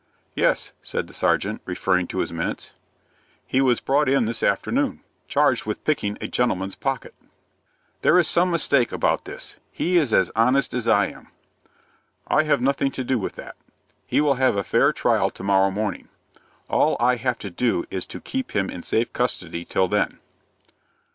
"Yes," said the sergeant, referring to his minutes. "He was brought in this afternoon, charged with picking a gentleman's pocket." "There is some mistake about this. He is as honest as I am." "I have nothing to do with that. He will have a fair trial to morrow morning. All I have to do is to keep him in safe custody till then."